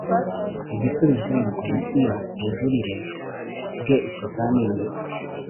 igisubizo na Komisiyo ku bujurire bwe ikizamini